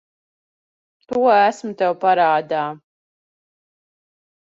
To esmu tev parādā.